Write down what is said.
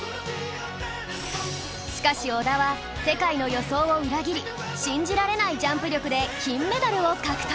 しかし織田は世界の予想を裏切り信じられないジャンプ力で金メダルを獲得